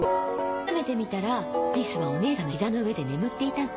目覚めてみたらアリスはお姉さんの膝の上で眠っていたの。